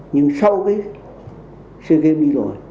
nhưng sau cái xưa game đi rồi